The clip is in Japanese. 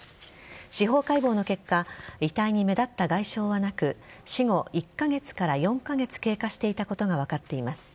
司法解剖の結果遺体に目立った外傷はなく死後１カ月から４カ月経過していたことが分かっています。